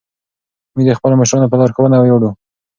موږ د خپلو مشرانو په لارښوونه ویاړو.